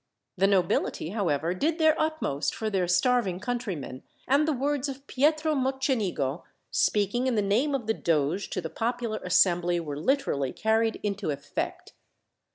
The nobility, however, did their utmost for their starving countrymen, and the words of Pietro Mocenigo, speaking in the name of the doge to the popular assembly, were literally carried into effect.